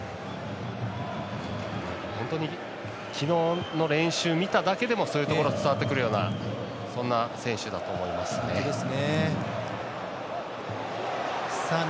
本当に昨日の練習を見ただけでもそういうところ伝わってくるようなそんな選手だと思いますね。